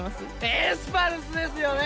エスパルスですよね